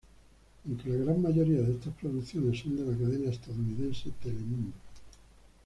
Aunque la gran mayoría de estas producciones son de la cadena estadounidense Telemundo.